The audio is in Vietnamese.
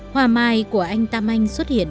hoa mai của anh tam anh xuất hiện